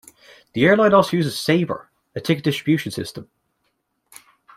The airline also uses Sabre, a ticket distribution system.